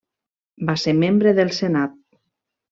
Va ser membre del senat.